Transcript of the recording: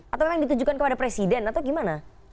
atau memang ditujukan kepada presiden atau gimana